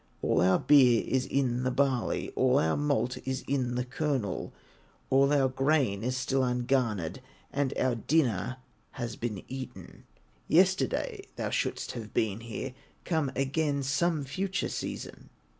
All our beer is in the barley, All the malt is in the kernel, All our grain is still ungarnered, And our dinner has been eaten; Yesterday thou shouldst have been here, Come again some future season."